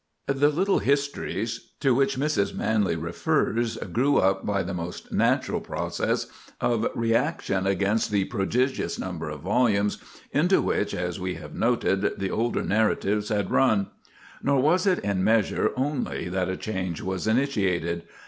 The "little histories" to which Mrs. Manley refers grew up by the most natural process of reaction against the "prodigious number of volumes" into which, as we have noted, the older narratives had run. Nor was it in measure only that a change was initiated.